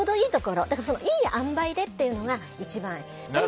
いいあんばいでっていうのが一番いい。